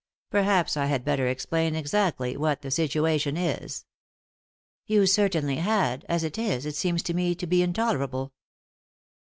Perhaps I bad better explain exactly what the situation is." "You certainly had; as it is, it seems to me to be intolerable."